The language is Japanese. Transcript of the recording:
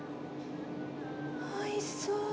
おいしそう。